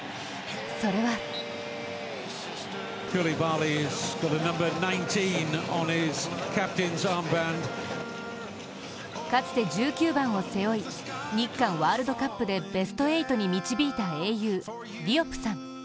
それはかつて１９番を背負い、日韓ワールドカップでベスト８に導いた英雄・ディオプさん。